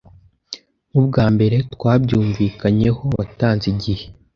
Nkubwa mbere twabyumvikanyeho watanze igihe